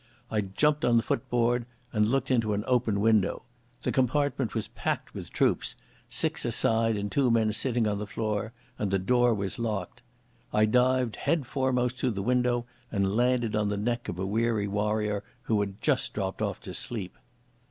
I jumped on the footboard, and looked into an open window. The compartment was packed with troops, six a side and two men sitting on the floor, and the door was locked. I dived headforemost through the window and landed on the neck of a weary warrior who had just dropped off to sleep.